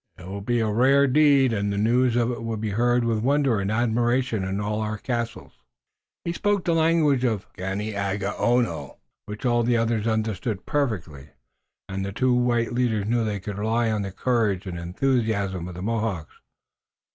It will be a rare deed, and the news of it will be heard with wonder and admiration in all our castles." He spoke in the language of the Ganeagaono, which all the others understood perfectly, and the two white leaders knew they could rely upon the courage and enthusiasm of the Mohawks.